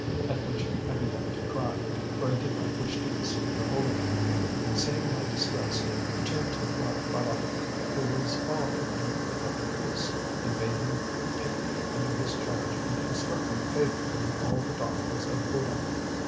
At which I began to cry, for I did not wish to deceive the holy man. Seeing my distress, he turned to P'hra Bâlât, who was following him with other priests, and bade him take me under his charge and instruct me faithfully in all the doctrines of Buddha.